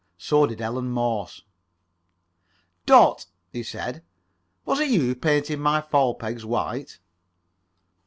So did Ellen Morse. "Dot," he said, "was it you who painted my fall pegs white?"